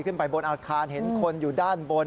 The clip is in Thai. ขึ้นไปบนอาคารเห็นคนอยู่ด้านบน